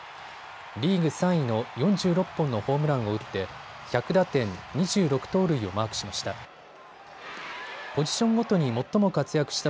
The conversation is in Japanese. リーグ３位の４６本のホームランを打って１００打点、２６盗塁をマークしました。